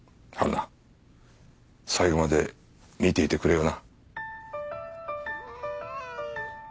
春菜最後まで見ていてくれよな。